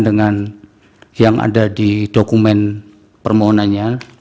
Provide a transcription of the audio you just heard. dengan yang ada di dokumen permohonannya